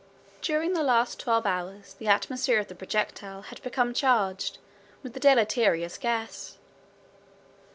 During the last twelve hours the atmosphere of the projectile had become charged with this deleterious gas.